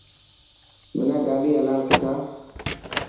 منا گاڏي هلاڻ سکا.